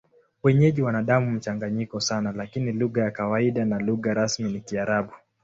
Wenyeji wana damu mchanganyiko sana, lakini lugha ya kawaida na lugha rasmi ni Kiarabu.